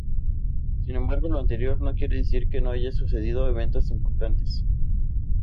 Sin embargo, lo anterior no quiere decir que no hayan sucedido eventos importantes.